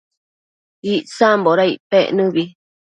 Icsamboda icpec nëbi?